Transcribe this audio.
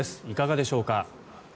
いかがでしょうか？